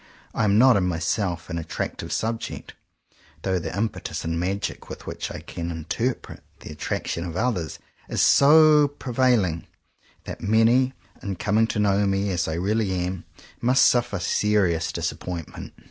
I am not, in myself, an attractive subject; though the impetus and magic with which I can in terpret the attraction of others is so pre vailing, that many, in coming to know me as I really am, must suffer serious dis appointment.